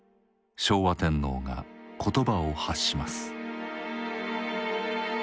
昭和天皇が言葉を発します。